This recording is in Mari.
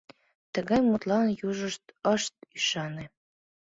Тыгай мутлан южышт ышт ӱшане.